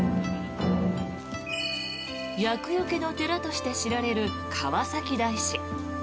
厄よけの寺として知られる川崎大師。